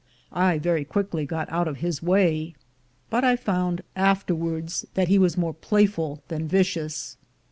I very quickly got out of his way; but I found afterwards that 274 THE GOLD HUNTERS he was more playful than vicious.